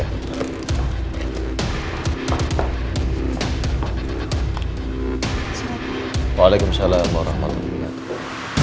assalamualaikum warahmatullahi wabarakatuh